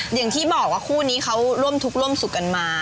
อย่างที่บอกว่าคู่นี้เขาร่วมทุกข์ร่วมสุขกันมา